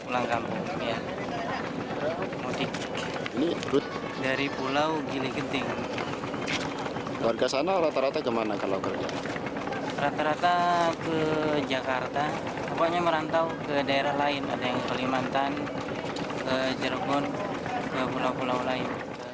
rata rata ke jakarta pokoknya merantau ke daerah lain ada yang ke limantan ke jerukun ke pulau pulau lain